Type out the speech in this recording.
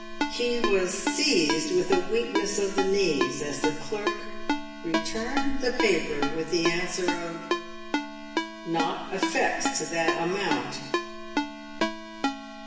He was seized with a weakness of the knees as the clerk returned the paper with the answer of, " Not effects to that amount."